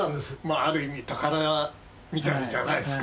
ある意味、宝みたいじゃないですか。